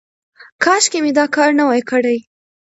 کاشکې مې دا کار نه وای کړی.